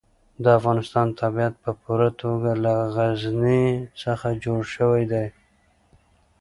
د افغانستان طبیعت په پوره توګه له غزني څخه جوړ شوی دی.